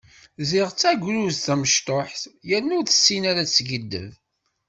Ziɣ d tagrudt tamecṭuḥt, yerna ur tessin ara ad teskiddeb.